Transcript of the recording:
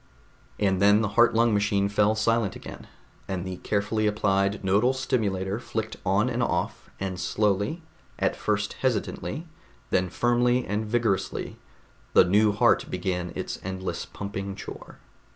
And then the heart lung machine fell silent again, and the carefully applied nodal stimulator flicked on and off, and slowly, at first hesitantly, then firmly and vigorously, the new heart began its endless pumping chore.